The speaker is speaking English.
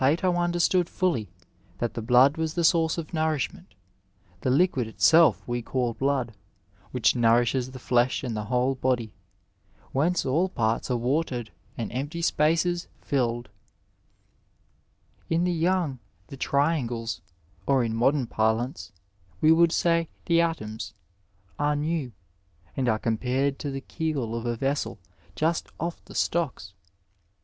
Digitized by VjOOQIC PHYSIC AND PHYSICIANS understood folly that the blood was the sonice of nourish ment, — ''the liquid itself we call blood, which nourishes the flesh and the whole body, whence all parts are watered and empty spaces filled/' ^ In the young, the triangles, or in modem parlance we would say the atoms, are new, and are compared to the keel of a vessel just ofE the stocks.